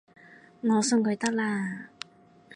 我送佢得喇